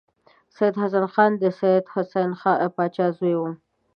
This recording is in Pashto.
سید حسن خان د سید حسین پاچا زوی و.